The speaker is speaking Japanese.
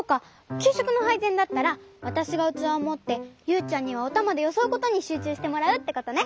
きゅうしょくのはいぜんだったらわたしがうつわをもってユウちゃんにはおたまでよそうことにしゅうちゅうしてもらうってことね。